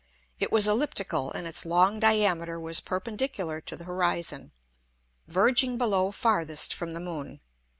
It was elliptical, and its long Diameter was perpendicular to the Horizon, verging below farthest from the Moon.